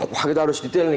wah kita harus detail nih